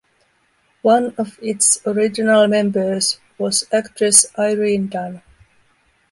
One of its original members was actress Irene Dunne.